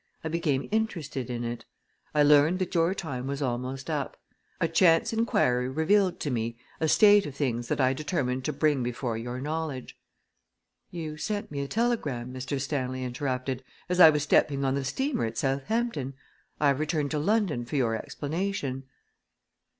I became interested in it. I learned that your time was almost up. A chance inquiry revealed to me a state of things that I determined to bring before your knowledge." "You sent me a telegram," Mr. Stanley interrupted, "as I was stepping on the steamer at Southampton. I have returned to London for your explanation."